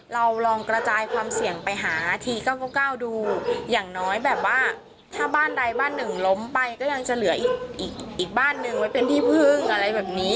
เราลองกระจายความเสี่ยงไปหาที๙๙ดูอย่างน้อยแบบว่าถ้าบ้านใดบ้านหนึ่งล้มไปก็ยังจะเหลืออีกบ้านหนึ่งไว้เป็นที่พึ่งอะไรแบบนี้